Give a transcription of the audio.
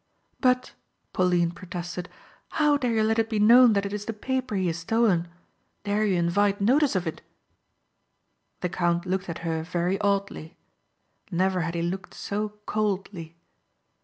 "But," Pauline protested, "how dare you let it be known that it is the paper he has stolen? Dare you invite notice of it?" The count looked at her very oddly. Never had he looked so coldly.